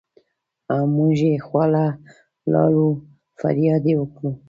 مونږ يې خواله لاړو فرياد يې وکړو